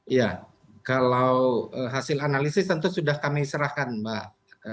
iya kalau hasil analisis tentu sudah kami serahkan mbak